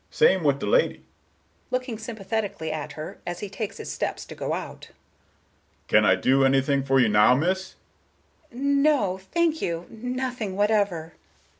Same with de lady,"—looking sympathetically at her, as he takes his steps to go out. "Can I do anything for you now, miss?" Miss Galbraith, plaintively: "No, thank you; nothing whatever."